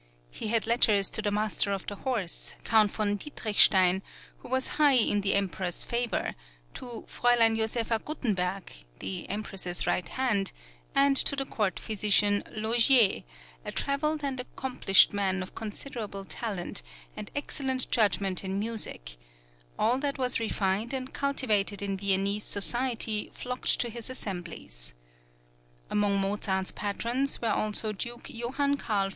He had letters to the Master of the Horse, Count von Dietrichstein, who was high in the Emperor's favour, to Fräulein Josepha Guttenberg, "the Empress's right hand," and to the court physician, L'Augier, a travelled and accomplished man of considerable talent, and excellent judgment in music; all that was refined and cultivated in Viennese society flocked to his assemblies. Among Mozart's patrons was also Duke Joh. Carl v.